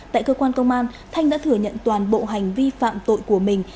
tại cơ quan công an thanh đã thừa nhận toàn bộ hành vi phạm tội của mình